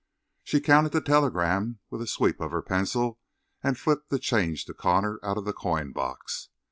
She counted the telegram with a sweep of her pencil and flipped the change to Connor out of the coin box.